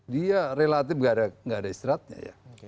dia relatif nggak ada istirahatnya ya